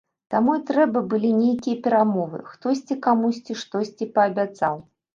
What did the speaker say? Таму і трэба былі нейкія перамовы, хтосьці камусьці штосьці паабяцаў.